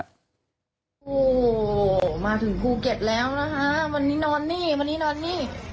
โอ้โหมาถึงภูเก็ตแล้วนะคะวันนี้นอนนี่วันนี้นอนนี่